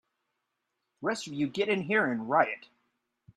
The rest of you get in here and riot!